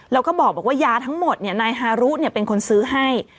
แล้วก็บอกว่ายาทั้งหมดนายฮารุเป็นคนซื้อให้